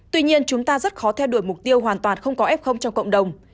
tuy nhiên chúng ta rất khó theo đuổi mục tiêu hoàn toàn không có f trong cộng đồng